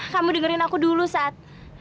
kamu dengerin aku dulu saat